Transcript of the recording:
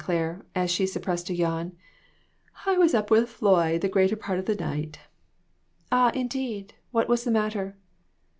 Clair, as she sup pressed a yawn ;" I was up with Floy the greater part of the night." " Ah, indeed ; what was the matter